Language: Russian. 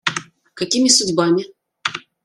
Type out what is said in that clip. Какими судьбами?